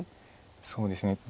そうですね